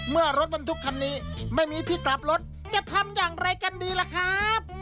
เมื่อรถบรรทุกคันนี้ไม่มีที่กลับรถจะทำอย่างไรกันดีล่ะครับ